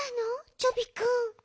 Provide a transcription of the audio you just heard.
チョビくん。